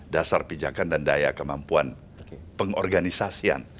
dasar pijakan dan daya kemampuan pengorganisasian